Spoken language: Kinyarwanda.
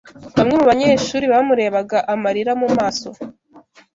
Bamwe mu banyeshuri bamurebaga amarira mu maso.